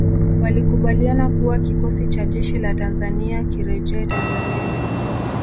Walikubaliana kuwa kikosi cha jeshi la Tanzania kirejee Tanzania